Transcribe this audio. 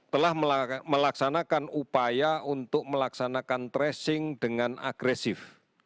telah melaksanakan upaya untuk melaksanakan tracing dengan agresif